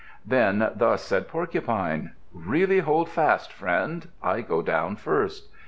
Then thus said Porcupine: "Really hold fast, friend. I go down first."